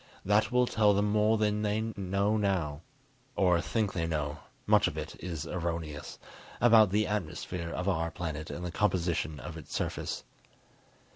That will tell them more than they know now (or think they know; much of it is erroneous) about the atmosphere of our planet and the composition of its surface.